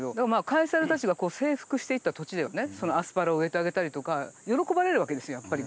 カエサルたちが征服していった土地ではねそのアスパラを植えてあげたりとか喜ばれるわけですよやっぱり。